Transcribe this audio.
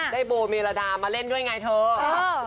ได้โบเมรดามาเล่นด้วยไงเถอะ